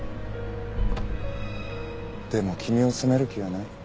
でも君を責める気はない。